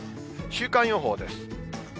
週間予報です。